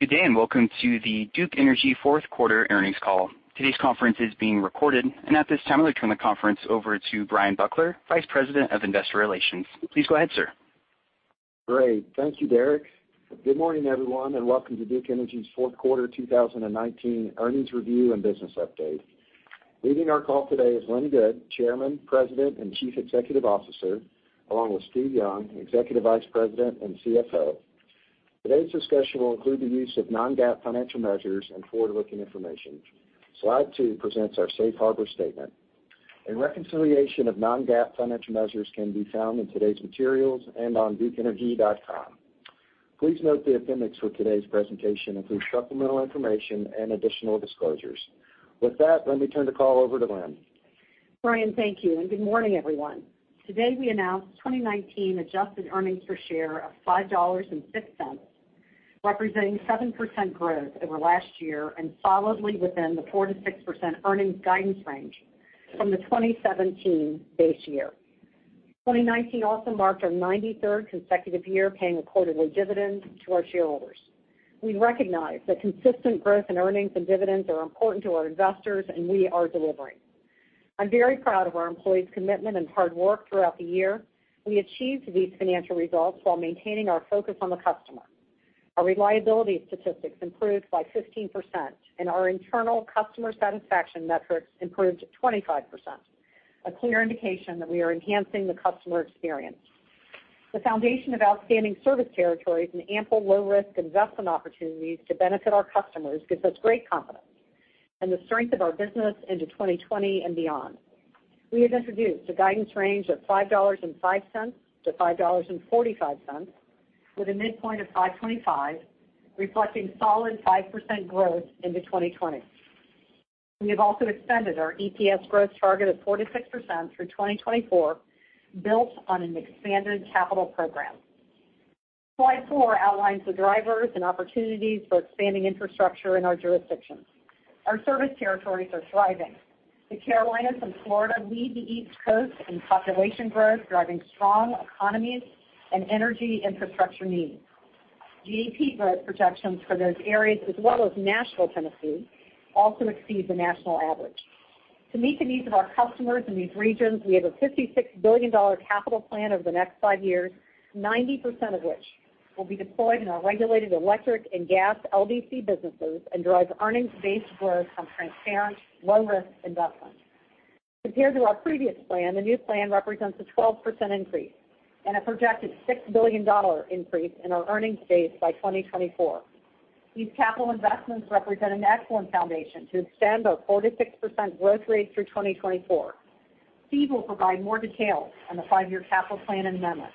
Good day. Welcome to the Duke Energy fourth quarter earnings call. Today's conference is being recorded, and at this time, I'll turn the conference over to Bryan Buckler, Vice President of Investor Relations. Please go ahead, sir. Great. Thank you, Derrick. Good morning, everyone, and Welcome to Duke Energy's fourth quarter 2019 earnings review and business update. Leading our call today is Lynn Good, Chairman, President, and Chief Executive Officer, along with Steve Young, Executive Vice President and CFO. Today's discussion will include the use of non-GAAP financial measures and forward-looking information. Slide two presents our safe harbor statement. A reconciliation of non-GAAP financial measures can be found in today's materials and on dukeenergy.com. Please note the appendix for today's presentation includes supplemental information and additional disclosures. With that, let me turn the call over to Lynn. Bryan, thank you. Good morning, everyone. Today, we announced 2019 adjusted earnings per share of $5.06, representing 7% growth over last year and solidly within the 4%-6% earnings guidance range from the 2017 base year. 2019 also marked our 93rd consecutive year paying a quarterly dividend to our shareholders. We recognize that consistent growth in earnings and dividends are important to our investors, and we are delivering. I'm very proud of our employees' commitment and hard work throughout the year. We achieved these financial results while maintaining our focus on the customer. Our reliability statistics improved by 15%, and our internal customer satisfaction metrics improved to 25%, a clear indication that we are enhancing the customer experience. The foundation of outstanding service territories and ample low-risk investment opportunities to benefit our customers gives us great confidence in the strength of our business into 2020 and beyond. We have introduced a guidance range of $5.05-$5.45 with a midpoint of $5.25, reflecting solid 5% growth into 2020. We have also extended our EPS growth target of 4%-6% through 2024, built on an expanded capital program. Slide four outlines the drivers and opportunities for expanding infrastructure in our jurisdictions. Our service territories are thriving. The Carolinas and Florida lead the East Coast in population growth, driving strong economies and energy infrastructure needs. GDP growth projections for those areas, as well as Nashville, Tennessee, also exceed the national average. To meet the needs of our customers in these regions, we have a $56 billion capital plan over the next five years, 90% of which will be deployed in our regulated electric and gas LDC businesses and drive earnings-based growth from transparent, low-risk investments. Compared to our previous plan, the new plan represents a 12% increase and a projected $6 billion increase in our earnings base by 2024. These capital investments represent an excellent foundation to extend our 4%-6% growth rate through 2024. Steve will provide more details on the five-year capital plan amendment.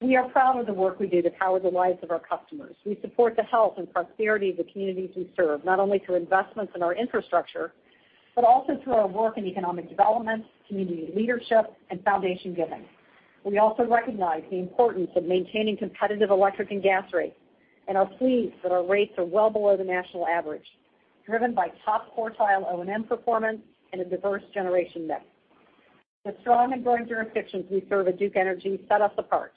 We are proud of the work we do to power the lives of our customers. We support the health and prosperity of the communities we serve, not only through investments in our infrastructure, but also through our work in economic development, community leadership, and foundation giving. We also recognize the importance of maintaining competitive electric and gas rates and are pleased that our rates are well below the national average, driven by top-quartile O&M performance and a diverse generation mix. The strong and growing jurisdictions we serve at Duke Energy set us apart.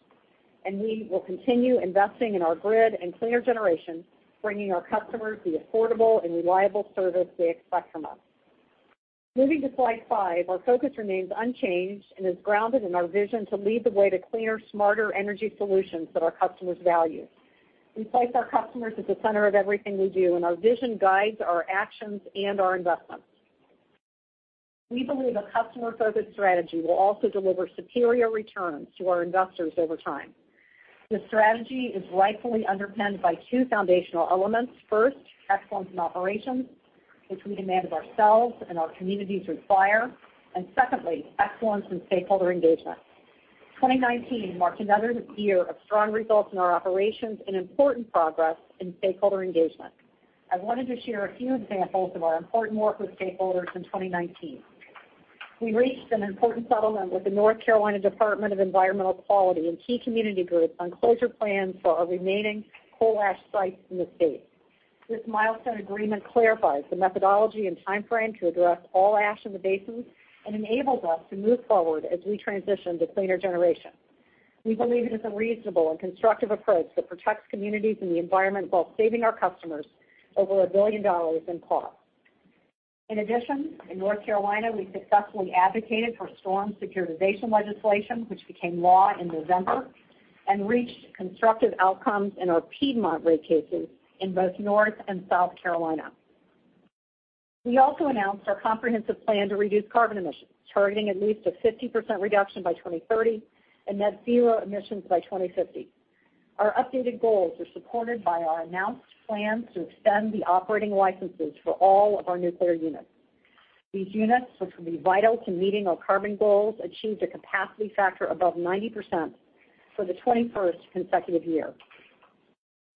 We will continue investing in our grid and cleaner generation, bringing our customers the affordable and reliable service they expect from us. Moving to slide five, our focus remains unchanged and is grounded in our vision to lead the way to cleaner, smarter energy solutions that our customers value. We place our customers at the center of everything we do. Our vision guides our actions and our investments. We believe a customer-focused strategy will also deliver superior returns to our investors over time. This strategy is rightfully underpinned by two foundational elements. 1st, excellence in operations, which we demand of ourselves and our communities require. Secondly, excellence in stakeholder engagement. 2019 marked another year of strong results in our operations and important progress in stakeholder engagement. I wanted to share a few examples of our important work with stakeholders in 2019. We reached an important settlement with the North Carolina Department of Environmental Quality and key community groups on closure plans for our remaining coal ash sites in the state. This milestone agreement clarifies the methodology and timeframe to address all ash in the basins and enables us to move forward as we transition to cleaner generation. We believe it is a reasonable and constructive approach that protects communities and the environment while saving our customers over $1 billion in costs. In addition, in North Carolina, we successfully advocated for storm securitization legislation, which became law in November, and reached constructive outcomes in our Piedmont rate cases in both North and South Carolina. We also announced our comprehensive plan to reduce carbon emissions, targeting at least a 50% reduction by 2030 and net zero emissions by 2050. Our updated goals are supported by our announced plan to extend the operating licenses for all of our nuclear units. These units, which will be vital to meeting our carbon goals, achieved a capacity factor above 90% for the 21st consecutive year.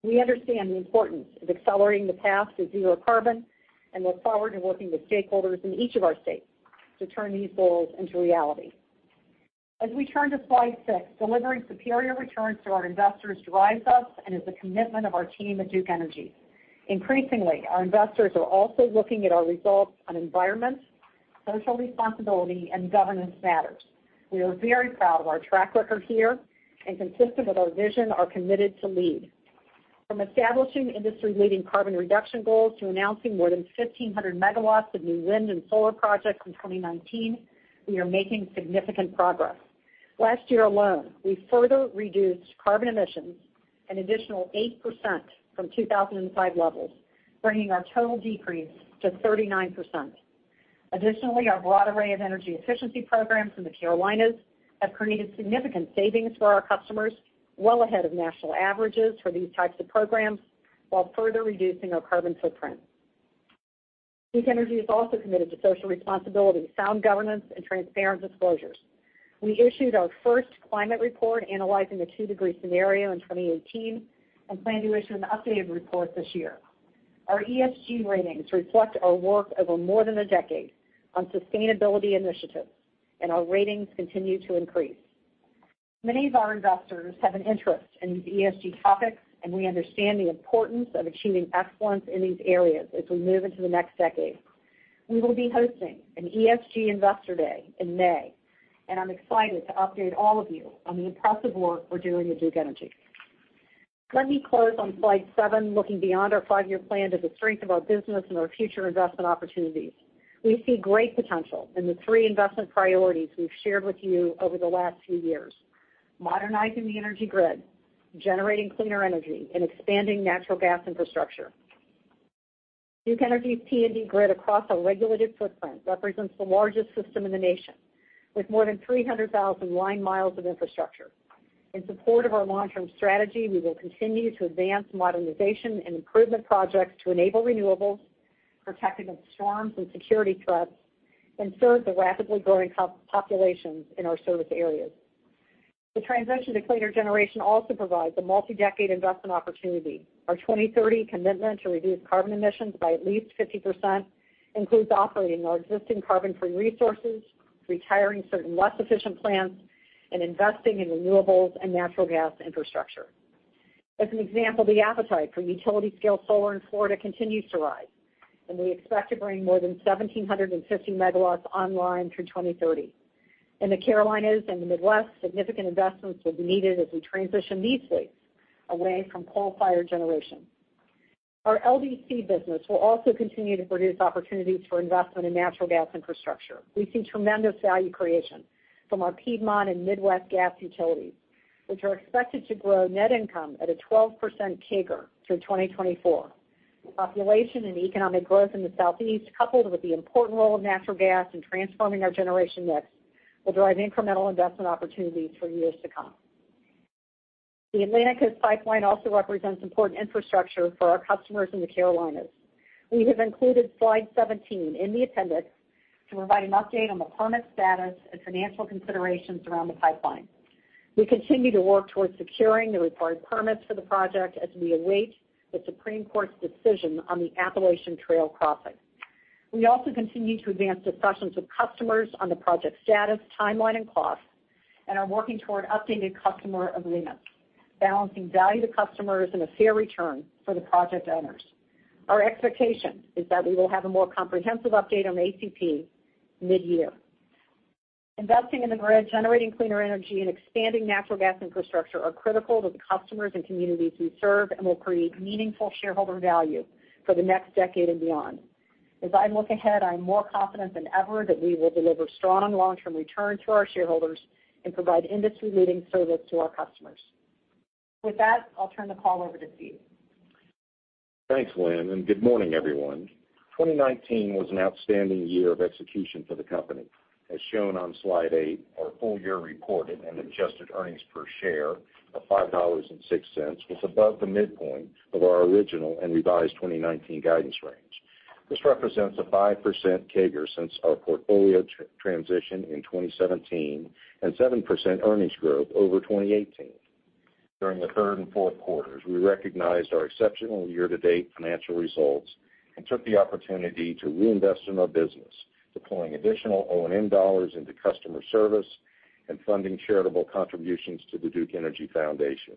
We understand the importance of accelerating the path to zero carbon and look forward to working with stakeholders in each of our states to turn these goals into reality. As we turn to slide six, delivering superior returns to our investors drives us and is a commitment of our team at Duke Energy. Increasingly, our investors are also looking at our results on Environmental Social responsibility and governance matters. We are very proud of our track record here, and consistent with our vision, are committed to lead. From establishing industry-leading carbon reduction goals to announcing more than 1,500 MW of new wind and solar projects in 2019, we are making significant progress. Last year alone, we further reduced carbon emissions an additional 8% from 2005 levels, bringing our total decrease to 39%. Additionally, our broad array of energy efficiency programs in the Carolinas have created significant savings for our customers well ahead of national averages for these types of programs while further reducing our carbon footprint. Duke Energy is also committed to social responsibility, sound governance, and transparent disclosures. We issued our first climate report analyzing the two-degree scenario in 2018 and plan to issue an updated report this year. Our ESG ratings reflect our work over more than a decade on sustainability initiatives, and our ratings continue to increase. Many of our investors have an interest in ESG topics. We understand the importance of achieving excellence in these areas as we move into the next decade. We will be hosting an ESG Investor Day in May. I'm excited to update all of you on the impressive work we're doing at Duke Energy. Let me close on slide seven, looking beyond our five-year plan to the strength of our business and our future investment opportunities. We see great potential in the three investment priorities we've shared with you over the last few years: modernizing the energy grid, generating cleaner energy, and expanding natural gas infrastructure. Duke Energy's T&D grid across our regulated footprint represents the largest system in the nation, with more than 300,000 line miles of infrastructure. In support of our long-term strategy, we will continue to advance modernization and improvement projects to enable renewables, protect against storms and security threats, and serve the rapidly growing populations in our service areas. The transition to cleaner generation also provides a multi-decade investment opportunity. Our 2030 commitment to reduce carbon emissions by at least 50% includes operating our existing carbon-free resources, retiring certain less efficient plants, and investing in renewables and natural gas infrastructure. As an example, the appetite for utility-scale solar in Florida continues to rise, and we expect to bring more than 1,750 MW online through 2030. In the Carolinas and the Midwest, significant investments will be needed as we transition these states away from coal-fired generation. Our LDC business will also continue to produce opportunities for investment in natural gas infrastructure. We see tremendous value creation from our Piedmont and Midwest Gas utilities, which are expected to grow net income at a 12% CAGR through 2024. Population and economic growth in the Southeast, coupled with the important role of natural gas in transforming our generation mix, will drive incremental investment opportunities for years to come. The Atlantic Coast Pipeline also represents important infrastructure for our customers in the Carolinas. We have included slide 17 in the appendix to provide an update on the permit status and financial considerations around the pipeline. We continue to work towards securing the required permits for the project as we await the Supreme Court's decision on the Appalachian Trail crossing. We also continue to advance discussions with customers on the project status, timeline, and cost, and are working toward updated customer agreements, balancing value to customers and a fair return for the project owners. Our expectation is that we will have a more comprehensive update on ACP mid-year. Investing in the grid, generating cleaner energy, and expanding natural gas infrastructure are critical to the customers and communities we serve and will create meaningful shareholder value for the next decade and beyond. As I look ahead, I am more confident than ever that we will deliver strong long-term return to our shareholders and provide industry-leading service to our customers. With that, I'll turn the call over to Steve. Thanks, Lynn. Good morning, everyone. 2019 was an outstanding year of execution for the company. As shown on slide eight, our full-year reported and adjusted earnings per share of $5.06 was above the midpoint of our original and revised 2019 guidance range. This represents a 5% CAGR since our portfolio transition in 2017 and 7% earnings growth over 2018. During the third and fourth quarters, we recognized our exceptional year-to-date financial results and took the opportunity to reinvest in our business, deploying additional O&M dollars into customer service and funding charitable contributions to the Duke Energy Foundation.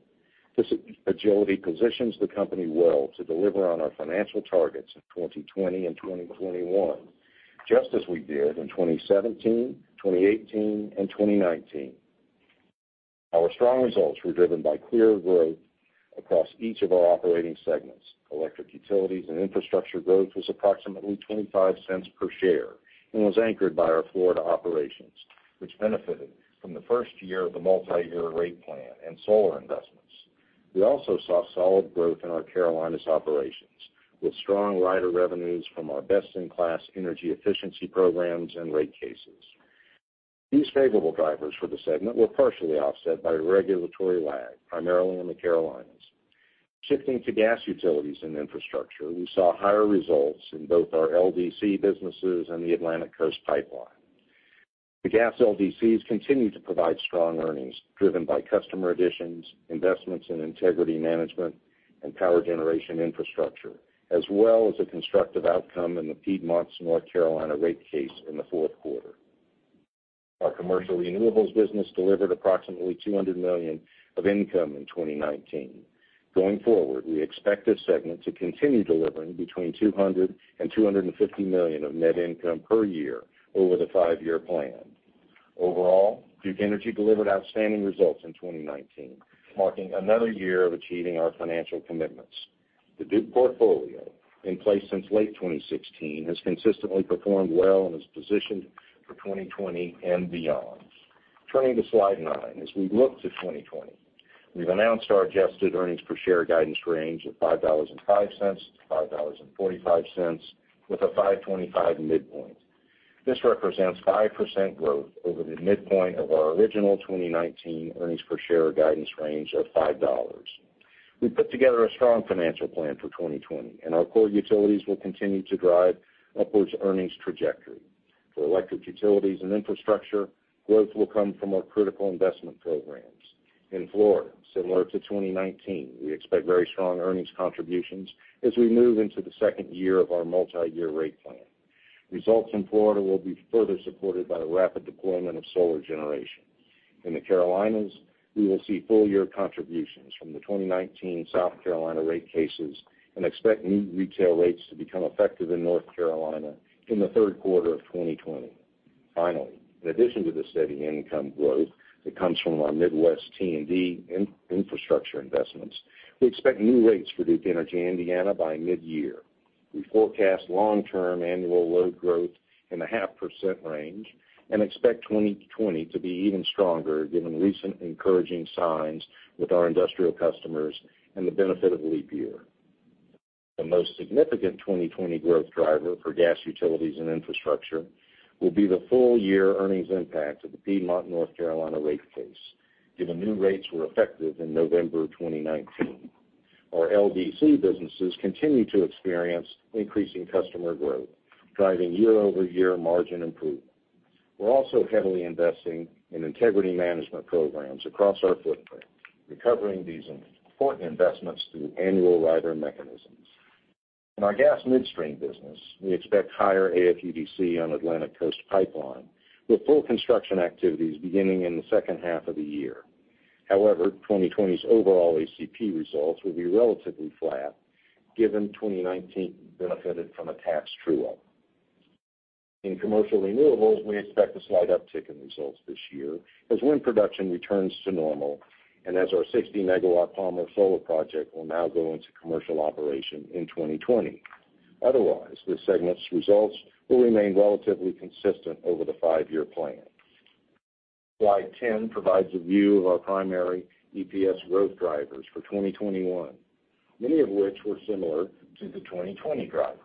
This agility positions the company well to deliver on our financial targets in 2020 and 2021, just as we did in 2017, 2018, and 2019. Our strong results were driven by clear growth across each of our operating segments. Electric utilities and infrastructure growth was approximately $0.25 per share and was anchored by our Florida operations, which benefited from the first year of the multi-year rate plan and solar investments. We also saw solid growth in our Carolinas operations, with strong rider revenues from our best-in-class energy efficiency programs and rate cases. These favorable drivers for the segment were partially offset by a regulatory lag, primarily in the Carolinas. Shifting to gas utilities and infrastructure, we saw higher results in both our LDC businesses and the Atlantic Coast Pipeline. The gas LDCs continue to provide strong earnings driven by customer additions, investments in integrity management, and power generation infrastructure, as well as a constructive outcome in the Piedmont North Carolina rate case in the fourth quarter. Our commercial renewables business delivered approximately $200 million of income in 2019. Going forward, we expect this segment to continue delivering between $200 million and $250 million of net income per year over the five-year plan. Overall, Duke Energy delivered outstanding results in 2019, marking another year of achieving our financial commitments. The Duke portfolio, in place since late 2016, has consistently performed well and is positioned for 2020 and beyond. Turning to slide nine. As we look to 2020, we've announced our adjusted earnings per share guidance range of $5.05-$5.45, with a $5.25 midpoint. This represents 5% growth over the midpoint of our original 2019 earnings per share guidance range of $5. We put together a strong financial plan for 2020, and our core utilities will continue to drive upwards earnings trajectory. For electric utilities and infrastructure, growth will come from our critical investment programs. In Florida, similar to 2019, we expect very strong earnings contributions as we move into the second year of our multi-year rate plan. Results in Florida will be further supported by the rapid deployment of solar generation. In the Carolinas, we will see full-year contributions from the 2019 South Carolina rate cases and expect new retail rates to become effective in North Carolina in the third quarter of 2020. In addition to the steady income growth that comes from our Midwest T&D infrastructure investments, we expect new rates for Duke Energy Indiana by mid-year. We forecast long-term annual load growth in the half-percent range and expect 2020 to be even stronger given recent encouraging signs with our industrial customers and the benefit of leap year. The most significant 2020 growth driver for gas utilities and infrastructure will be the full-year earnings impact of the Piedmont North Carolina rate case, given new rates were effective in November 2019. Our LDC businesses continue to experience increasing customer growth, driving year-over-year margin improvement. We're also heavily investing in integrity management programs across our footprint, recovering these important investments through annual rider mechanisms. In our gas midstream business, we expect higher AFUDC on Atlantic Coast Pipeline, with full construction activities beginning in the second half of the year. However, 2020's overall ACP results will be relatively flat, given 2019 benefited from a tax true-up. In commercial renewables, we expect a slight uptick in results this year as wind production returns to normal and as our 60 MW Palmer Solar project will now go into commercial operation in 2020. Otherwise, this segment's results will remain relatively consistent over the five-year plan. Slide 10 provides a view of our primary EPS growth drivers for 2021, many of which were similar to the 2020 drivers.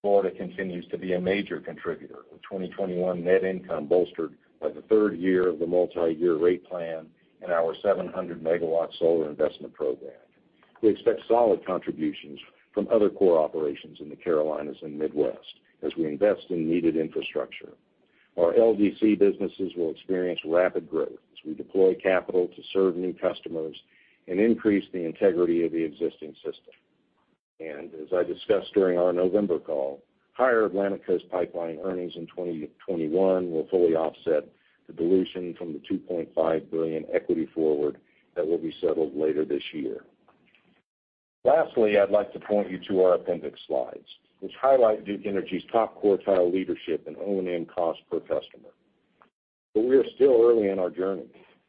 Florida continues to be a major contributor, with 2021 net income bolstered by the third year of the multi-year rate plan and our 700 MW solar investment program. We expect solid contributions from other core operations in the Carolinas and Midwest as we invest in needed infrastructure. Our LDC businesses will experience rapid growth as we deploy capital to serve new customers and increase the integrity of the existing system. As I discussed during our November call, higher Atlantic Coast Pipeline earnings in 2021 will fully offset the dilution from the $2.5 billion equity forward that will be settled later this year. Lastly, I'd like to point you to our appendix slides, which highlight Duke Energy's top-quartile leadership in O&M cost per customer. We are still early in our journey.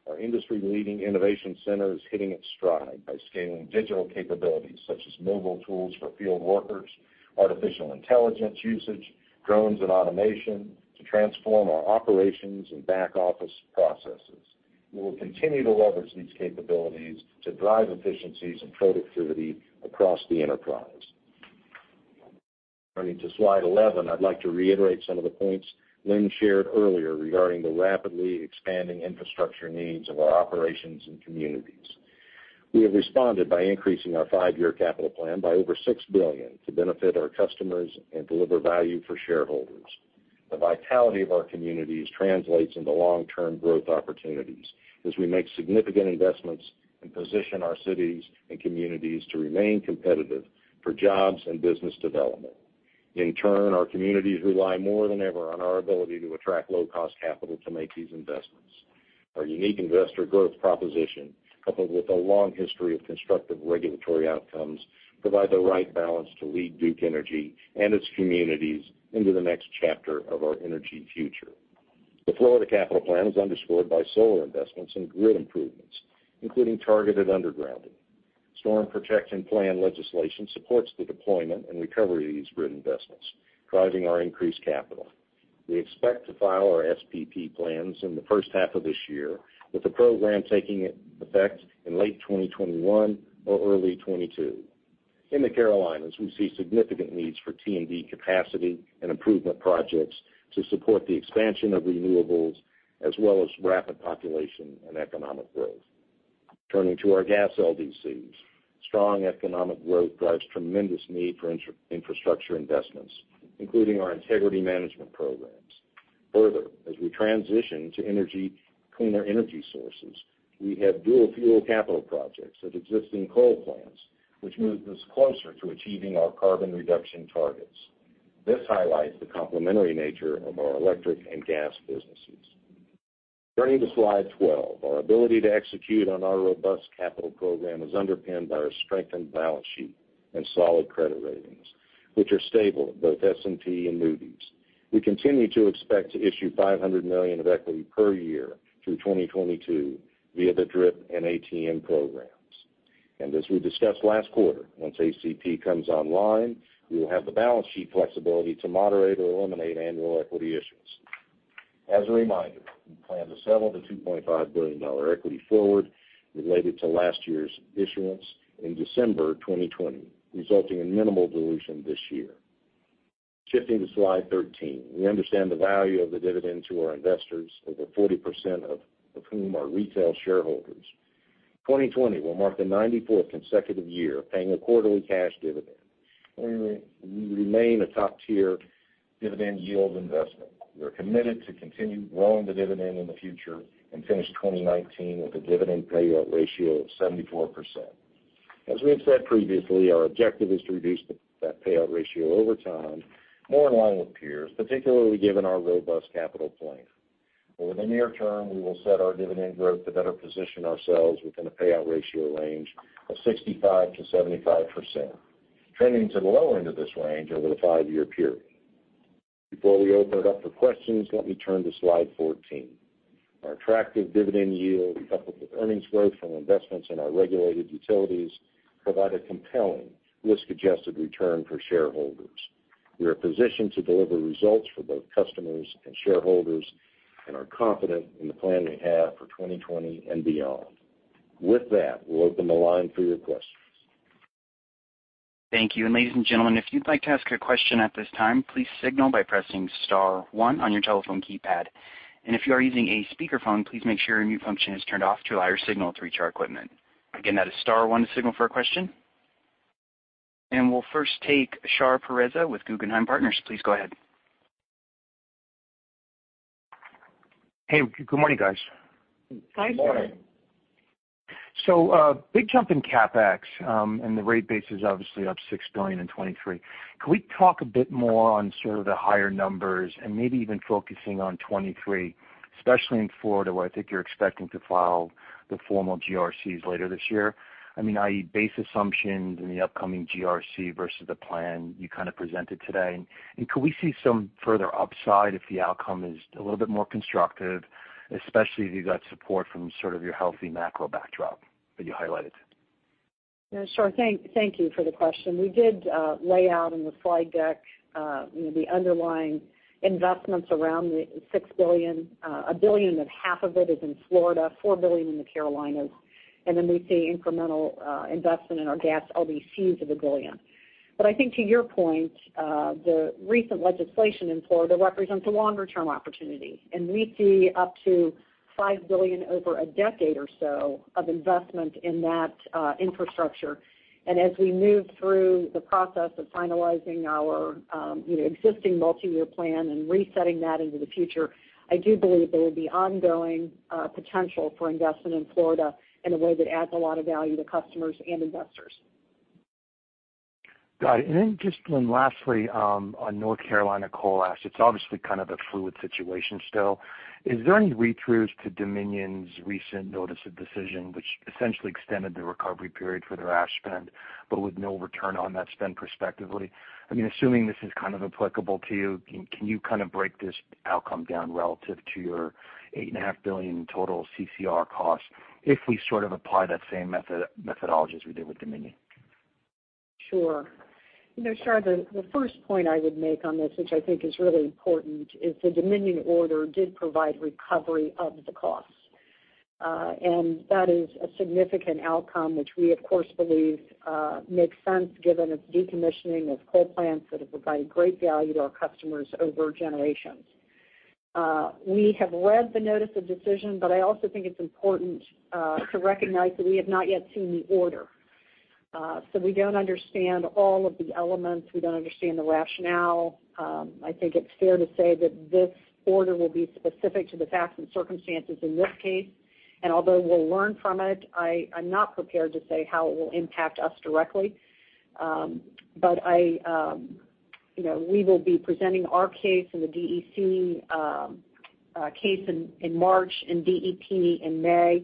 Our industry-leading innovation center is hitting its stride by scaling digital capabilities such as mobile tools for field workers, artificial intelligence usage, drones, and automation to transform our operations and back-office processes. We will continue to leverage these capabilities to drive efficiencies and productivity across the enterprise. Turning to slide 11, I'd like to reiterate some of the points Lynn shared earlier regarding the rapidly expanding infrastructure needs of our operations and communities. We have responded by increasing our five-year capital plan by over $6 billion to benefit our customers and deliver value for shareholders. The vitality of our communities translates into long-term growth opportunities as we make significant investments and position our cities and communities to remain competitive for jobs and business development. In turn, our communities rely more than ever on our ability to attract low-cost capital to make these investments. Our unique investor growth proposition, coupled with a long history of constructive regulatory outcomes, provide the right balance to lead Duke Energy and its communities into the next chapter of our energy future. The Florida capital plan is underscored by solar investments and grid improvements, including targeted undergrounding. Storm Protection Plan legislation supports the deployment and recovery of these grid investments, driving our increased capital. We expect to file our SPP plans in the first half of this year, with the program taking effect in late 2021 or early 2022. In the Carolinas, we see significant needs for T&D capacity and improvement projects to support the expansion of renewables, as well as rapid population and economic growth. Turning to our gas LDCs. Strong economic growth drives tremendous need for infrastructure investments, including our integrity management programs. Further, as we transition to cleaner energy sources, we have dual-fuel capital projects at existing coal plants, which moves us closer to achieving our carbon reduction targets. This highlights the complementary nature of our electric and gas businesses. Turning to slide 12. Our ability to execute on our robust capital program is underpinned by our strengthened balance sheet and solid credit ratings, which are stable at both S&P and Moody's. We continue to expect to issue $500 million of equity per year through 2022 via the DRIP and ATM programs. As we discussed last quarter, once ACP comes online, we will have the balance sheet flexibility to moderate or eliminate annual equity issues. As a reminder, we plan to settle the $2.5 billion equity forward related to last year's issuance in December 2020, resulting in minimal dilution this year. Shifting to slide 13. We understand the value of the dividend to our investors, over 40% of whom are retail shareholders. 2020 will mark the 94th consecutive year of paying a quarterly cash dividend, and we remain a top-tier dividend yield investment. We are committed to continue growing the dividend in the future and finished 2019 with a dividend payout ratio of 74%. As we have said previously, our objective is to reduce that payout ratio over time, more in line with peers, particularly given our robust capital plan. Over the near term, we will set our dividend growth to better position ourselves within a payout ratio range of 65%-75%, trending to the low end of this range over the five-year period. Before we open it up for questions, let me turn to slide 14. Our attractive dividend yield, coupled with earnings growth from investments in our regulated utilities, provide a compelling risk-adjusted return for shareholders. We are positioned to deliver results for both customers and shareholders and are confident in the plan we have for 2020 and beyond. With that, we'll open the line for your questions. Thank you. We'll 1st take Shar Pourreza with Guggenheim Partners. Please go ahead. Hey, good morning, guys. Good morning. Good morning. Big jump in CapEx, the rate base is obviously up $6 billion in 2023. Can we talk a bit more on sort of the higher numbers and maybe even focusing on 2023, especially in Florida, where I think you're expecting to file the formal GRCs later this year? I mean, i.e., base assumptions in the upcoming GRC versus the plan you kind of presented today. Could we see some further upside if the outcome is a little bit more constructive, especially if you got support from sort of your healthy macro backdrop that you highlighted? Yeah, sure. Thank you for the question. We did lay out in the slide deck the underlying investments around the $6 billion. $1.5 billion of it is in Florida, $4 billion in the Carolinas, and then we see incremental investment in our gas LDCs of $1 billion. I think to your point, the recent legislation in Florida represents a longer-term opportunity, and we see up to $5 billion over a decade or so of investment in that infrastructure. As we move through the process of finalizing our existing multi-year plan and resetting that into the future, I do believe there will be ongoing potential for investment in Florida in a way that adds a lot of value to customers and investors. Got it. Just one lastly on North Carolina coal ash. It's obviously kind of a fluid situation still. Is there any read-throughs to Dominion Energy's recent notice of decision, which essentially extended the recovery period for their ash spend, but with no return on that spend perspectively? I mean, assuming this is kind of applicable to you, can you kind of break this outcome down relative to your $8.5 billion total CCR cost if we sort of apply that same methodology as we did with Dominion Energy? Sure. Shar, the 1st point I would make on this, which I think is really important, is the Dominion order did provide recovery of the costs. That is a significant outcome, which we, of course, believe makes sense given it's decommissioning of coal plants that have provided great value to our customers over generations. We have read the notice of decision, I also think it's important to recognize that we have not yet seen the order. We don't understand all of the elements. We don't understand the rationale. I think it's fair to say that this order will be specific to the facts and circumstances in this case, and although we'll learn from it, I'm not prepared to say how it will impact us directly We will be presenting our case in the DEC case in March, in DEP in May,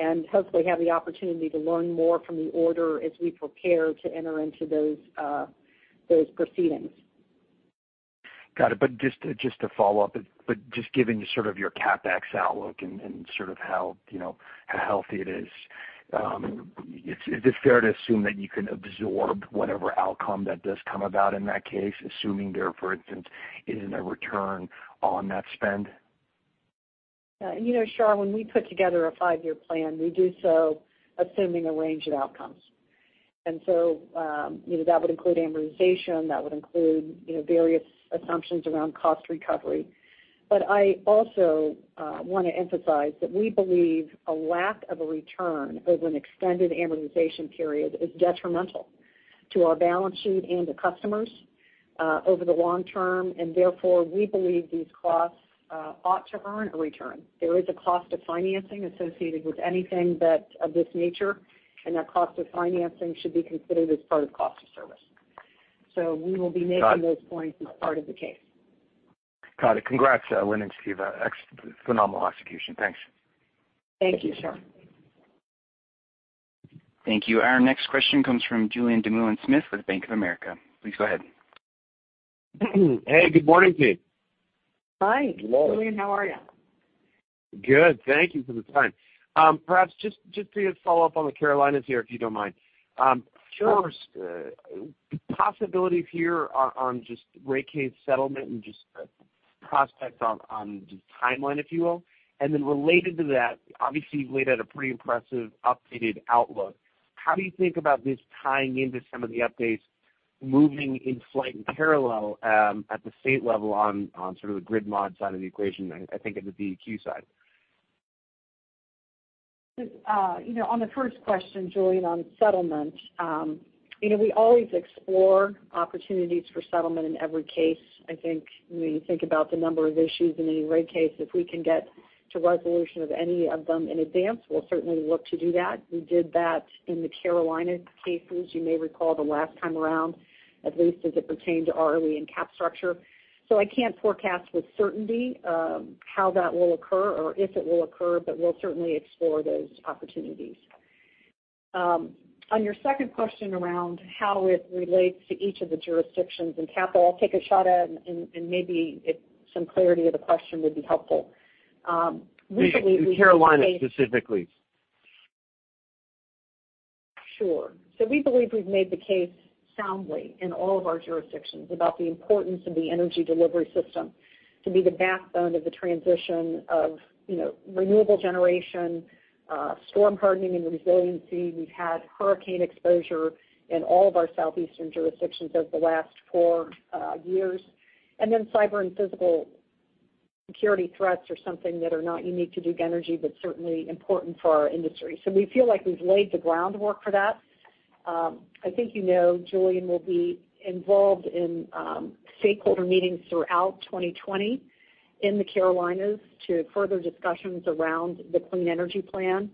and hopefully have the opportunity to learn more from the order as we prepare to enter into those proceedings. Got it. Just to follow up, just given sort of your CapEx outlook and sort of how healthy it is it fair to assume that you can absorb whatever outcome that does come about in that case, assuming there, for instance, isn't a return on that spend? Shar, when we put together a five-year plan, we do so assuming a range of outcomes. That would include amortization, that would include various assumptions around cost recovery. I also want to emphasize that we believe a lack of a return over an extended amortization period is detrimental. To our balance sheet and to customers over the long term, and therefore, we believe these costs ought to earn a return. There is a cost to financing associated with anything of this nature, and that cost of financing should be considered as part of cost of service. We will be making- Got it. those points as part of the case. Got it. Congrats, Lynn and Steve. Phenomenal execution. Thanks. Thank you, Shar. Thank you. Our next question comes from Julien Dumoulin-Smith with Bank of America. Please go ahead. Hey, good morning to you. Hi. Hello. Julien, how are you? Good. Thank you for the time. Perhaps just to follow up on the Carolinas here, if you don't mind. Sure. 1st, the possibilities here on just rate case settlement and just the prospects on the timeline, if you will. Then related to that, obviously you've laid out a pretty impressive updated outlook. How do you think about this tying into some of the updates, moving in slight parallel at the state level on sort of the grid mod side of the equation, I think at the DEQ side? On the 1st question, Julien, on settlement. We always explore opportunities for settlement in every case. I think when you think about the number of issues in any rate case, if we can get to resolution of any of them in advance, we'll certainly look to do that. We did that in the Carolinas cases. You may recall the last time around, at least as it pertained to ROE and cap structure. I can't forecast with certainty how that will occur or if it will occur, but we'll certainly explore those opportunities. On your 2nd question around how it relates to each of the jurisdictions and capital, I'll take a shot at and maybe some clarity of the question would be helpful. We believe we've made. In Carolina specifically. Sure. We believe we've made the case soundly in all of our jurisdictions about the importance of the energy delivery system to be the backbone of the transition of renewable generation, storm hardening and resiliency. We've had hurricane exposure in all of our southeastern jurisdictions over the last four years. Cyber and physical security threats are something that are not unique to Duke Energy, but certainly important for our industry. We feel like we've laid the groundwork for that. I think you know, Julien, we'll be involved in stakeholder meetings throughout 2020 in the Carolinas to further discussions around the Clean Energy Plan.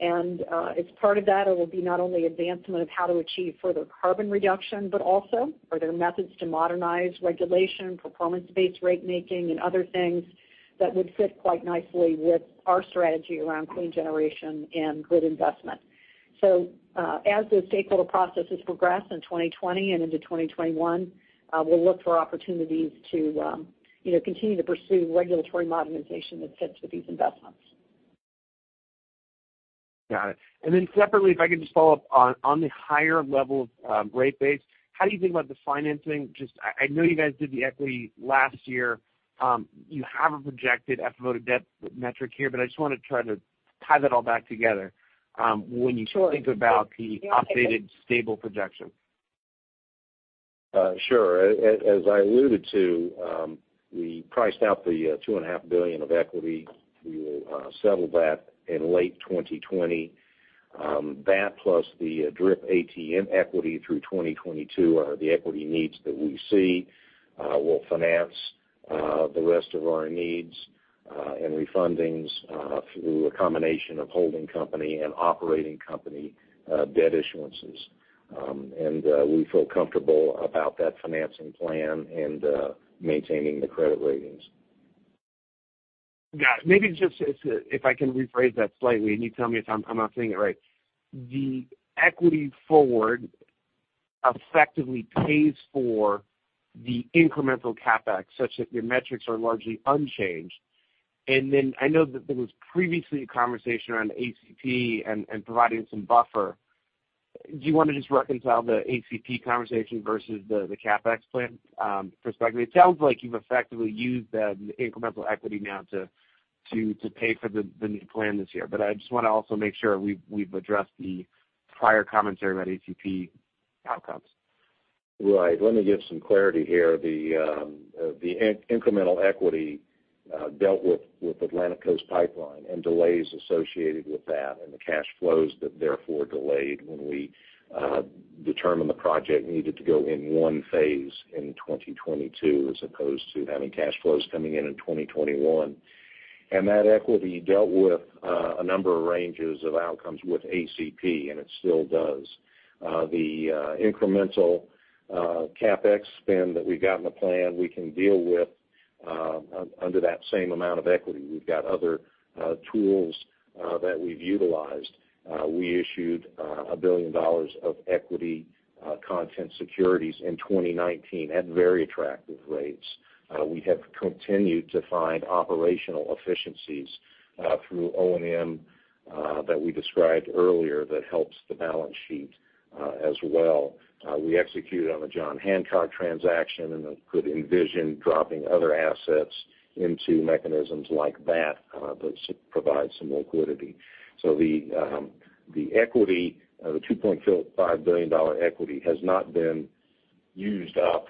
As part of that, it will be not only advancement of how to achieve further carbon reduction, but also are there methods to modernize regulation, performance-based rate making and other things that would fit quite nicely with our strategy around clean generation and grid investment. As those stakeholder processes progress in 2020 and into 2021, we'll look for opportunities to continue to pursue regulatory modernization that fits with these investments. Got it. Separately, if I could just follow up on the higher level of rate base, how do you think about the financing? Just I know you guys did the equity last year. You have a projected FFO to debt metric here, but I just want to try to tie that all back together. Sure When you think about the updated stable projection. Sure. As I alluded to, we priced out the $2.5 billion of equity. We will settle that in late 2020. That plus the DRIP ATM equity through 2022 are the equity needs that we see. We'll finance the rest of our needs and refundings through a combination of holding company and operating company debt issuances. We feel comfortable about that financing plan and maintaining the credit ratings. Got it. Maybe just if I can rephrase that slightly, and you tell me if I'm not saying it right. The equity forward effectively pays for the incremental CapEx, such that your metrics are largely unchanged. I know that there was previously a conversation around ACP and providing some buffer. Do you want to just reconcile the ACP conversation versus the CapEx plan perspective? It sounds like you've effectively used the incremental equity now to pay for the new plan this year. I just want to also make sure we've addressed the prior commentary about ACP outcomes. Right. Let me give some clarity here. The incremental equity dealt with Atlantic Coast Pipeline and delays associated with that, and the cash flows that therefore delayed when we determined the project needed to go in one phase in 2022 as opposed to having cash flows coming in in 2021. That equity dealt with a number of ranges of outcomes with ACP, and it still does. The incremental CapEx spend that we've got in the plan, we can deal with under that same amount of equity. We've got other tools that we've utilized. We issued $1 billion of equity content securities in 2019 at very attractive rates. We have continued to find operational efficiencies through O&M that we described earlier that helps the balance sheet as well. We executed on the John Hancock transaction and could envision dropping other assets into mechanisms like that that provide some liquidity. The $2.5 billion equity has not been used up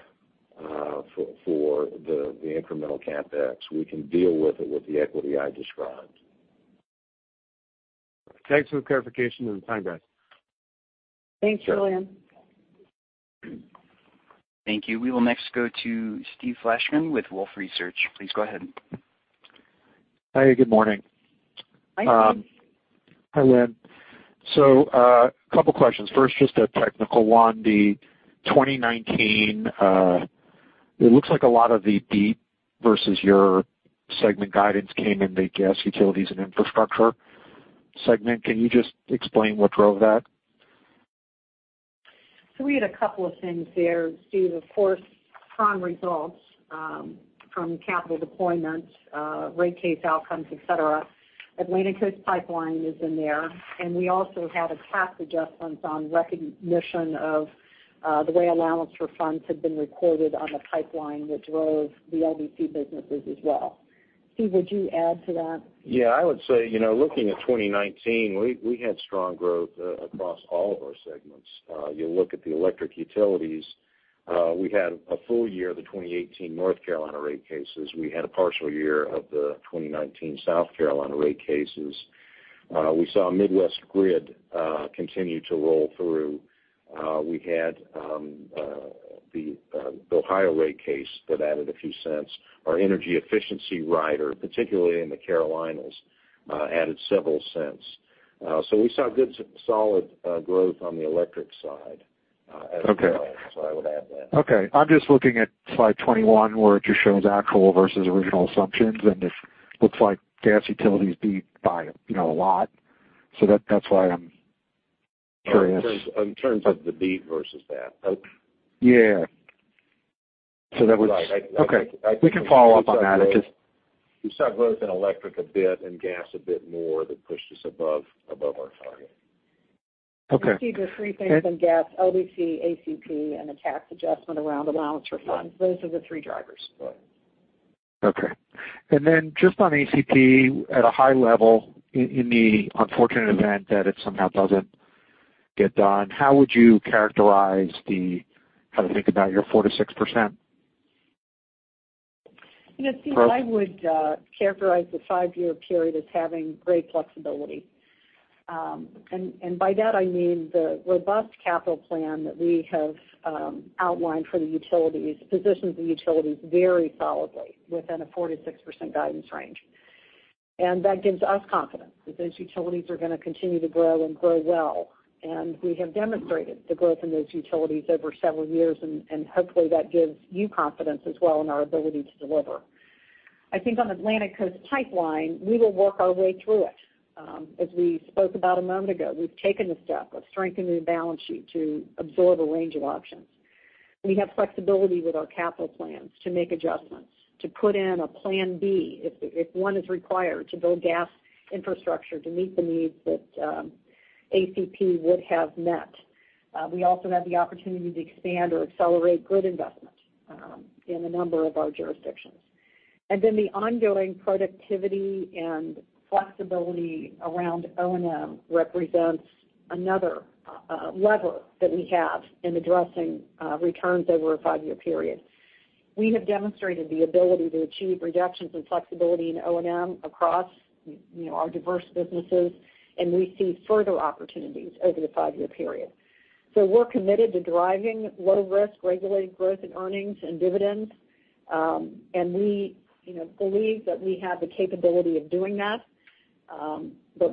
for the incremental CapEx. We can deal with it with the equity I described. Thanks for the clarification and the time guide. Thanks, William. Thank you. We will next go to Steve Fleishman with Wolfe Research. Please go ahead. Hi, good morning. Hi, Steve. Hi, Lynn. A couple questions. 1st, just a technical one. The 2019, it looks like a lot of the beat versus your segment guidance came in the gas, utilities, and infrastructure segment. Can you just explain what drove that? We had a couple of things there, Steve. Of course, strong results from capital deployment, rate case outcomes, et cetera. Atlantic Coast Pipeline is in there, and we also had a tax adjustment on recognition of the way allowance for funds had been recorded on the pipeline, which drove the LDC businesses as well. Steve, would you add to that? Yeah, I would say, looking at 2019, we had strong growth across all of our segments. You look at the electric utilities, we had a full year of the 2018 North Carolina rate cases. We had a partial year of the 2019 South Carolina rate cases. We saw Midwest Grid continue to roll through. We had the Ohio rate case that added a few cents. Our energy efficiency rider, particularly in the Carolinas, added several cents. We saw good solid growth on the electric side as well. Okay. I would add that. Okay. I'm just looking at slide 21 where it just shows actual versus original assumptions. It looks like gas utilities beat by a lot. That's why I'm curious. In terms of the beat versus that? Yeah. Okay. We can follow up on that. We saw growth in electric a bit and gas a bit more that pushed us above our target. Okay. Steve, the three things in gas, LDC, ACP, and a tax adjustment around allowance for funds. Those are the three drivers. Okay. Just on ACP, at a high level, in the unfortunate event that it somehow doesn't get done, how would you characterize how to think about your 4%-6%? Steve, I would characterize the five-year period as having great flexibility. By that I mean the robust capital plan that we have outlined for the utilities positions the utilities very solidly within a 4%-6% guidance range. That gives us confidence that those utilities are going to continue to grow and grow well. We have demonstrated the growth in those utilities over several years, and hopefully that gives you confidence as well in our ability to deliver. I think on Atlantic Coast Pipeline, we will work our way through it. As we spoke about a moment ago, we've taken the step of strengthening the balance sheet to absorb a range of options. We have flexibility with our capital plans to make adjustments, to put in a plan B if one is required to build gas infrastructure to meet the needs that ACP would have met. We also have the opportunity to expand or accelerate grid investment in a number of our jurisdictions. The ongoing productivity and flexibility around O&M represents another lever that we have in addressing returns over a five-year period. We have demonstrated the ability to achieve reductions and flexibility in O&M across our diverse businesses, and we see further opportunities over the five-year period. We're committed to driving low-risk regulated growth in earnings and dividends. We believe that we have the capability of doing that.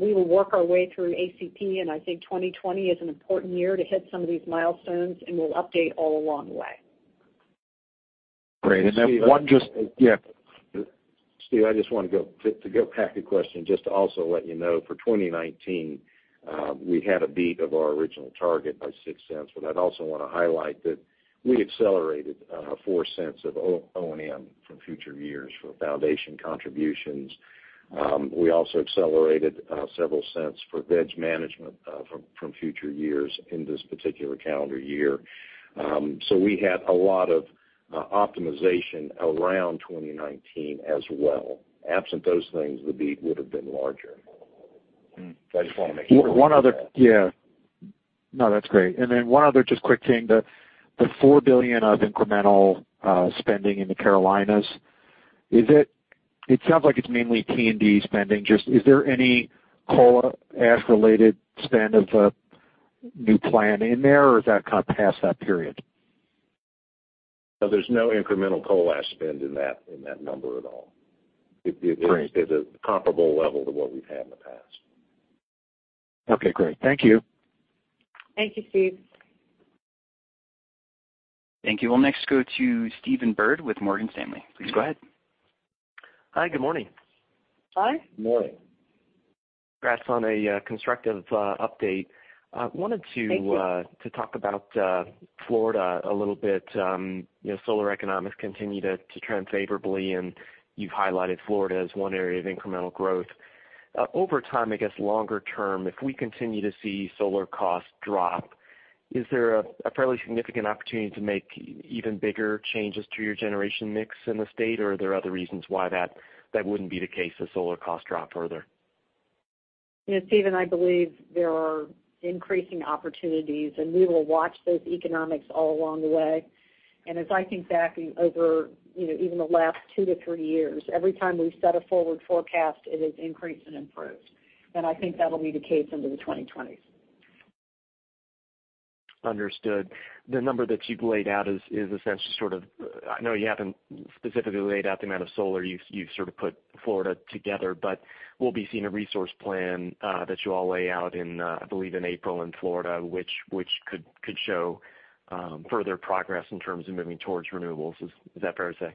We will work our way through ACP, and I think 2020 is an important year to hit some of these milestones, and we'll update all along the way. Great. Then one yeah. Steve, I just want to go back to your question, just to also let you know for 2019, we had a beat of our original target by $0.06. I'd also want to highlight that we accelerated $0.04 of O&M from future years for Foundation contributions. We also accelerated several cents for vegetation management from future years in this particular calendar year. We had a lot of optimization around 2019 as well. Absent those things, the beat would've been larger. I just want to make sure we hit that. Yeah. No, that's great. One other just quick thing, the $4 billion of incremental spending in the Carolinas, it sounds like it's mainly T&D spending. Just is there any coal ash-related spend of a new plan in there, or is that kind of past that period? No, there's no incremental coal ash spend in that number at all. Great. It's a comparable level to what we've had in the past. Okay, great. Thank you. Thank you, Steve. Thank you. We'll next go to Stephen Byrd with Morgan Stanley. Please go ahead. Hi, good morning. Hi. Good morning. Congrats on a constructive update. Thank you. Wanted to talk about Florida a little bit. Solar economics continue to trend favorably, you've highlighted Florida as one area of incremental growth. Over time, I guess longer term, if we continue to see solar costs drop, is there a fairly significant opportunity to make even bigger changes to your generation mix in the state, or are there other reasons why that wouldn't be the case if solar costs drop further? Stephen, I believe there are increasing opportunities, and we will watch those economics all along the way. As I think back over even the last two to three years, every time we've set a forward forecast, it has increased and improved. I think that'll be the case into the 2020s. Understood. The number that you've laid out is essentially sort of. I know you haven't specifically laid out the amount of solar you've sort of put Florida together, but we'll be seeing a resource plan that you all lay out in, I believe, April in Florida, which could show further progress in terms of moving towards renewables. Is that fair to say?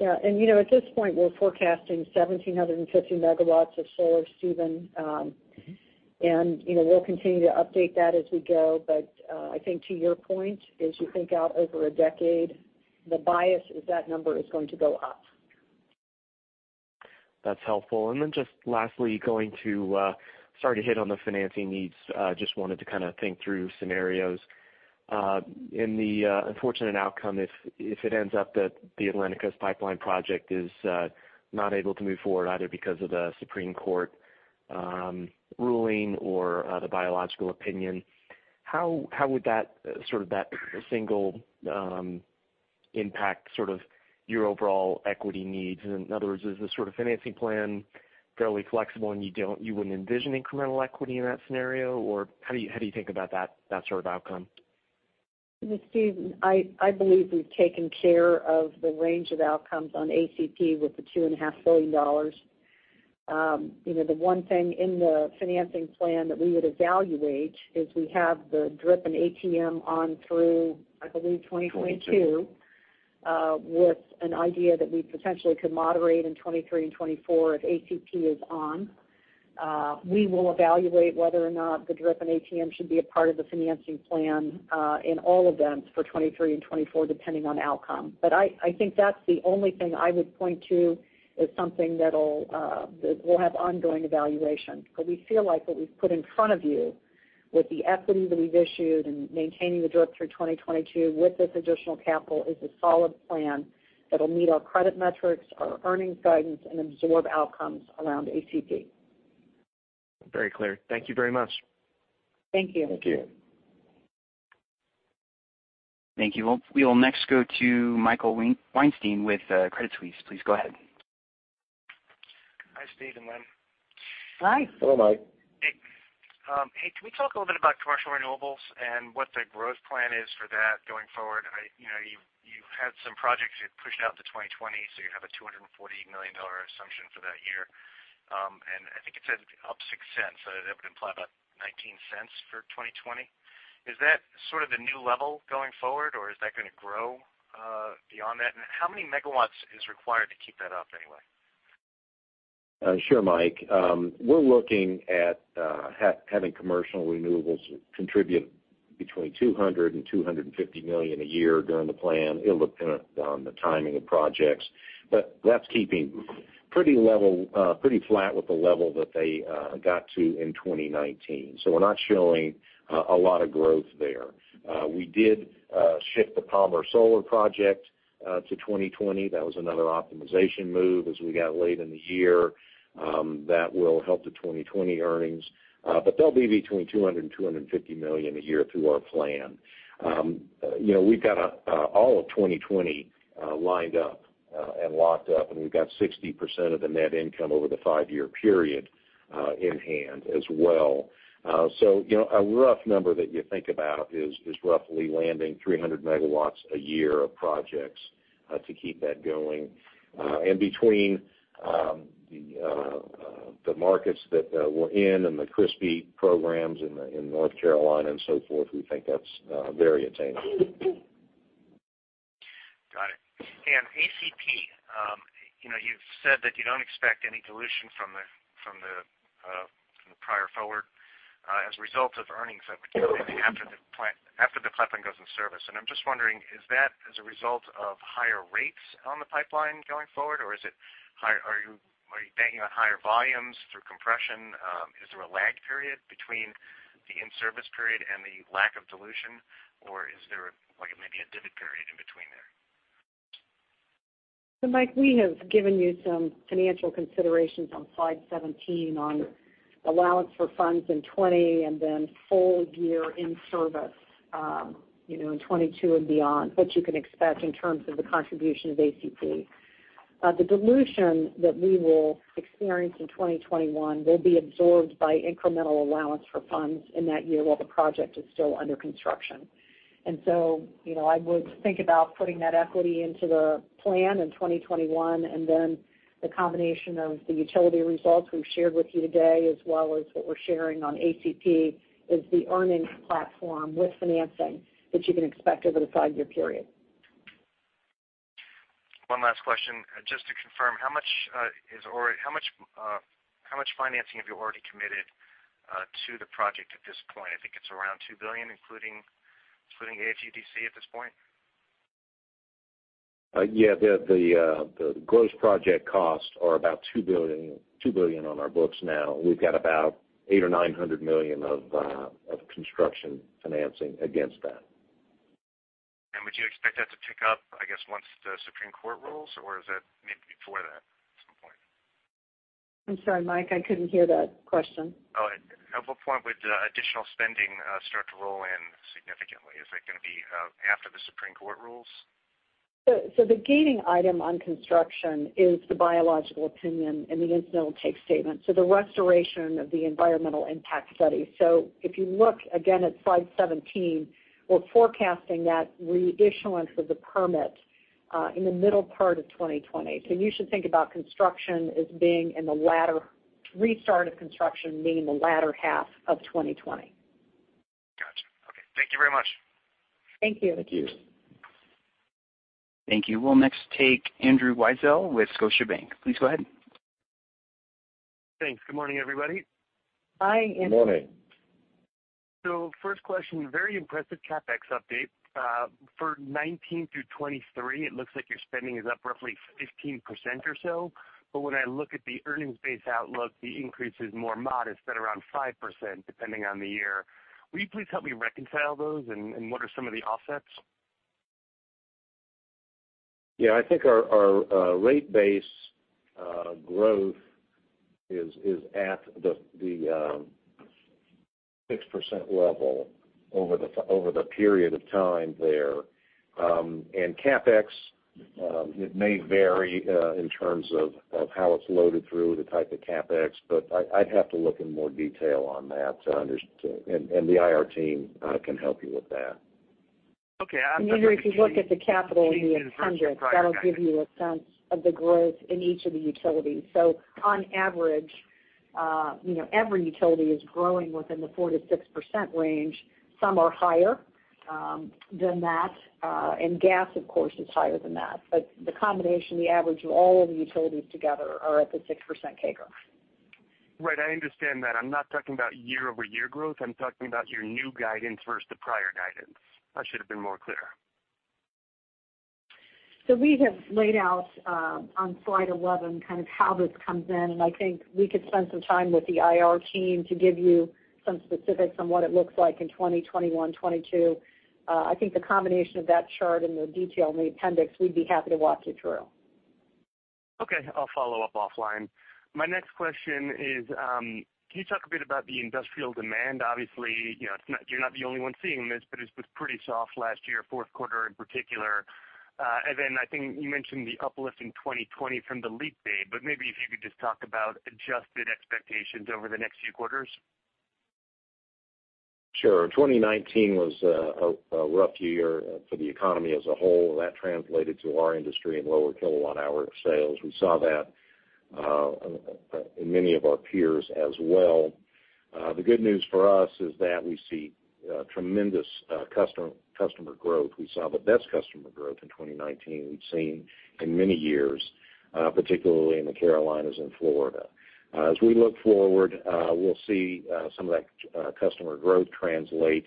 Yeah. At this point, we're forecasting 1,750 MW of solar, Stephen. We'll continue to update that as we go. I think to your point, as you think out over a decade, the bias is that number is going to go up. That's helpful. Then just lastly, going to start to hit on the financing needs. Just wanted to kind of think through scenarios. In the unfortunate outcome, if it ends up that the Atlantic Coast Pipeline project is not able to move forward, either because of the Supreme Court ruling or the biological opinion, how would that single impact your overall equity needs? In other words, is the sort of financing plan fairly flexible, and you wouldn't envision incremental equity in that scenario? How do you think about that sort of outcome? Stephen, I believe we've taken care of the range of outcomes on ACP with the $2.5 billion. The one thing in the financing plan that we would evaluate is we have the DRIP and ATM on through, I believe, 2022, with an idea that we potentially could moderate in 2023 and 2024 if ACP is on. We will evaluate whether or not the DRIP and ATM should be a part of the financing plan in all events for 2023 and 2024, depending on outcome. I think that's the only thing I would point to as something that will have ongoing evaluation. Because we feel like what we've put in front of you with the equity that we've issued and maintaining the DRIP through 2022 with this additional capital is a solid plan that'll meet our credit metrics, our earnings guidance, and absorb outcomes around ACP. Very clear. Thank you very much. Thank you. Thank you. Thank you. We will next go to Michael Weinstein with Credit Suisse. Please go ahead. Hi, Steve and Lynn. Hi. Hello, Mike. Hey. Can we talk a little bit about commercial renewables and what the growth plan is for that going forward? You've had some projects you've pushed out to 2020, so you have a $240 million assumption for that year. I think it said up $0.06. That would imply about $0.19 for 2020. Is that sort of the new level going forward, or is that going to grow beyond that? How many megawatts is required to keep that up, anyway? Sure, Mike. We're looking at having commercial renewables contribute between $200 million and $250 million a year during the plan. It'll depend on the timing of projects, that's keeping pretty flat with the level that they got to in 2019. We're not showing a lot of growth there. We did shift the Palmer Solar project to 2020. That was another optimization move as we got late in the year. That will help the 2020 earnings. They'll be between $200 million and $250 million a year through our plan. We've got all of 2020 lined up and locked up, and we've got 60% of the net income over the five-year period in hand as well. A rough number that you think about is roughly landing 300 MW a year of projects to keep that going. Between the markets that we're in and the CPRE programs in North Carolina and so forth, we think that's very attainable. Got it. ACP, you've said that you don't expect any dilution from the prior forward as a result of earnings that would come in after the pipeline goes in service. I'm just wondering, is that as a result of higher rates on the pipeline going forward, or are you banking on higher volumes through compression? Is there a lag period between the in-service period and the lack of dilution, or is there like maybe a divot period in between there? Mike, we have given you some financial considerations on slide 17 on allowance for funds in 2020, and then full year in service in 2022 and beyond, what you can expect in terms of the contribution of ACP. The dilution that we will experience in 2021 will be absorbed by incremental allowance for funds in that year while the project is still under construction. I would think about putting that equity into the plan in 2021, and then the combination of the utility results we've shared with you today as well as what we're sharing on ACP is the earnings platform with financing that you can expect over the five-year period. One last question. Just to confirm, how much financing have you already committed to the project at this point? I think it's around $2 billion, including AFUDC at this point? Yeah. The gross project costs are about $2 billion on our books now. We've got about $800 million or $900 million of construction financing against that. Would you expect that to pick up, I guess, once the Supreme Court rules, or is that maybe before that at some point? I'm sorry, Mike, I couldn't hear that question. Oh. At what point would additional spending start to roll in significantly? Is it going to be after the Supreme Court rules? The gating item on construction is the biological opinion and the incidental take statement, the restoration of the environmental impact study. If you look again at slide 17, we're forecasting that reissuance of the permit in the middle part of 2020. You should think about restart of construction being in the latter half of 2020. Got you. Okay. Thank you very much. Thank you. Thank you. Thank you. We'll next take Andrew Weisel with Scotiabank. Please go ahead. Thanks. Good morning, everybody. Hi, Andrew. Good morning. 1st question, very impressive CapEx update. For 2019 through 2023, it looks like your spending is up roughly 15% or so. When I look at the earnings-based outlook, the increase is more modest at around 5%, depending on the year. Will you please help me reconcile those, and what are some of the offsets? Yeah, I think our rate base growth is at the 6% level over the period of time there. CapEx, it may vary in terms of how it's loaded through the type of CapEx, but I'd have to look in more detail on that to understand. The IR team can help you with that. Okay. Andrew, if you look at the capital in the appendix, that'll give you a sense of the growth in each of the utilities. On average every utility is growing within the 4%-6% range. Some are higher than that. Gas, of course, is higher than that. The combination, the average of all of the utilities together are at the 6% CAGR. Right, I understand that. I'm not talking about year-over-year growth. I'm talking about your new guidance versus the prior guidance. I should've been more clear. We have laid out on slide 11 kind of how this comes in, and I think we could spend some time with the IR team to give you some specifics on what it looks like in 2020, 2021, 2022. I think the combination of that chart and the detail in the appendix, we'd be happy to walk you through. Okay. I'll follow up offline. My next question is, can you talk a bit about the industrial demand? Obviously, you're not the only one seeing this, but it's been pretty soft last year, fourth quarter in particular. I think you mentioned the uplift in 2020 from the leap day, but maybe if you could just talk about adjusted expectations over the next few quarters. Sure. 2019 was a rough year for the economy as a whole. That translated to our industry in lower kilowatt-hour sales. We saw that in many of our peers as well. The good news for us is that we see tremendous customer growth. We saw the best customer growth in 2019 we've seen in many years, particularly in the Carolinas and Florida. We look forward, we'll see some of that customer growth translate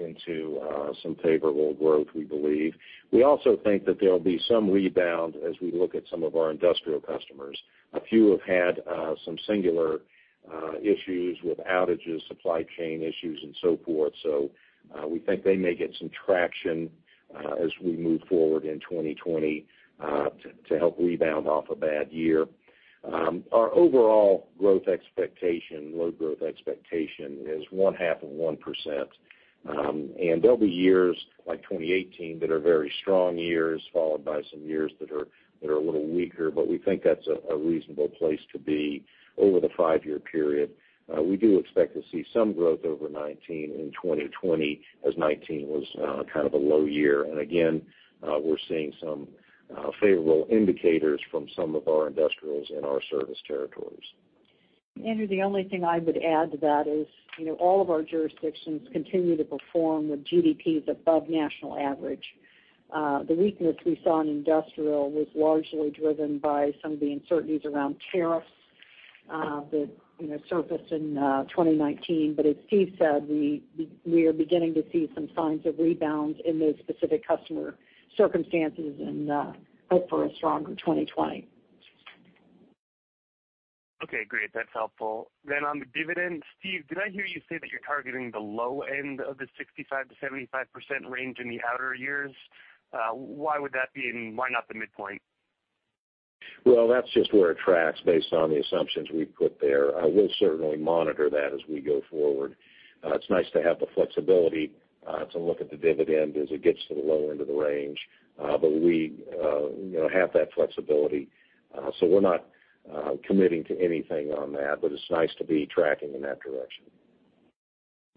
into some favorable growth, we believe. We also think that there'll be some rebound as we look at some of our industrial customers. A few have had some singular issues with outages, supply chain issues, and so forth. We think they may get some traction as we move forward in 2020 to help rebound off a bad year. Our overall load growth expectation is one half of 1%. There'll be years, like 2018, that are very strong years, followed by some years that are a little weaker, but we think that's a reasonable place to be over the five-year period. We do expect to see some growth over 2019 in 2020, as 2019 was kind of a low year. And again, we're seeing some favorable indicators from some of our industrials in our service territories. Andrew, the only thing I would add to that is all of our jurisdictions continue to perform with GDPs above national average. The weakness we saw in industrial was largely driven by some of the uncertainties around tariffs that surfaced in 2019. As Steve said, we are beginning to see some signs of rebounds in those specific customer circumstances and hope for a stronger 2020. Okay, great. That's helpful. On the dividend, Steve, did I hear you say that you're targeting the low end of the 65%-75% range in the outer years? Why would that be, and why not the midpoint? Well, that's just where it tracks based on the assumptions we've put there. We'll certainly monitor that as we go forward. It's nice to have the flexibility to look at the dividend as it gets to the low end of the range. We have that flexibility. We're not committing to anything on that, but it's nice to be tracking in that direction.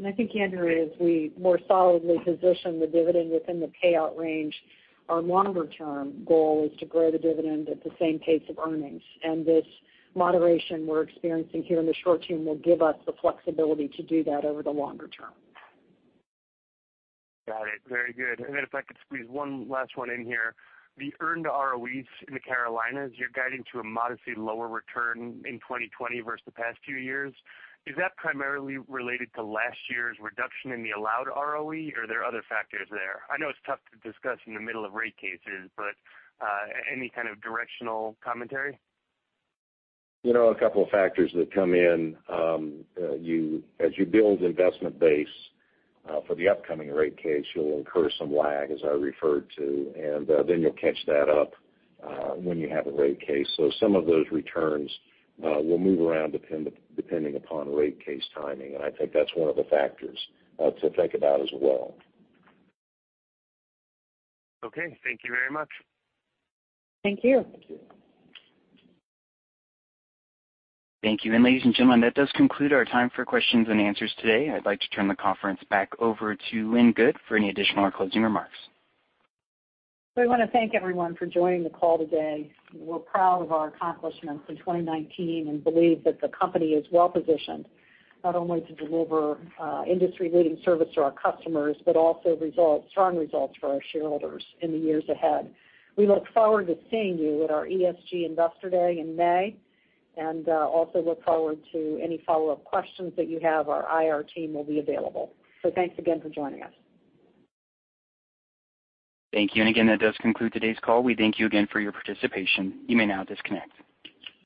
I think, Andrew, as we more solidly position the dividend within the payout range, our longer-term goal is to grow the dividend at the same pace of earnings. This moderation we're experiencing here in the short term will give us the flexibility to do that over the longer term. Got it. Very good. If I could squeeze one last one in here, the earned ROEs in the Carolinas, you're guiding to a modestly lower return in 2020 versus the past few years. Is that primarily related to last year's reduction in the allowed ROE, or are there other factors there? I know it's tough to discuss in the middle of rate cases, but any kind of directional commentary? A couple of factors that come in. As you build investment base for the upcoming rate case, you'll incur some lag, as I referred to, and then you'll catch that up when you have a rate case. Some of those returns will move around depending upon rate case timing, and I think that's one of the factors to think about as well. Okay. Thank you very much. Thank you. Thank you. Thank you. Ladies and gentlemen, that does conclude our time for questions and answers today. I'd like to turn the conference back over to Lynn Good for any additional or closing remarks. We want to thank everyone for joining the call today. We're proud of our accomplishments in 2019 and believe that the company is well-positioned, not only to deliver industry-leading service to our customers, but also strong results for our shareholders in the years ahead. We look forward to seeing you at our ESG Investor Day in May, and also look forward to any follow-up questions that you have. Our IR team will be available. Thanks again for joining us. Thank you. Again, that does conclude today's call. We thank you again for your participation. You may now disconnect.